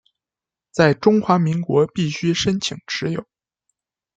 在中华民国必须申请持有。